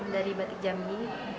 dari batik jambi